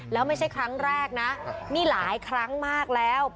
แล้วไม่ใช่ครั้งแรกนะนี่หลายครั้งมากแล้ว